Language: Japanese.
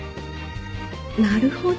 なるほど。